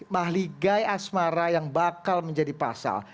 mahligai asmara yang bakal menjadi pasal